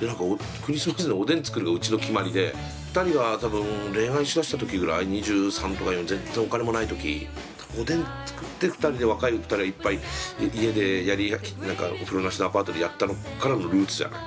で何かクリスマスにおでん作るのがうちの決まりで２人が多分恋愛しだした時ぐらい２３とか２４全然お金もない時多分おでん作って２人で若い２人が一杯家でやり何かお風呂なしのアパートでやったのからのルーツじゃない？